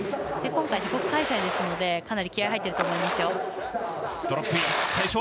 今回、自国開催ですのでかなり気合い入ってると思います。